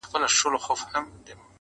جادوګر په شپه کي وتښتېد له ښاره-